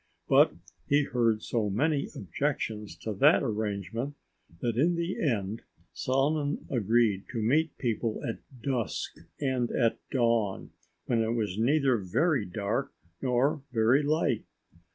But he heard so many objections to that arrangement that in the end Solomon agreed to meet people at dusk and at dawn, when it was neither very dark nor very light.